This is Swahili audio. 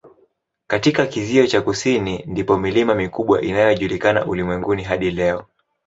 Katika kizio cha kusini ndipo milima mikubwa inayojulikana ulimwenguni hadi leo.